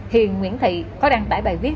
hiền nguyễn thị có đăng tải bài viết